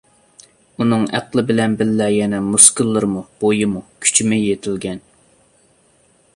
ئۇنىڭ ئەقلى بىلەن بىللە يەنە مۇسكۇللىرىمۇ، بويىمۇ، كۈچىمۇ يېتىلگەن.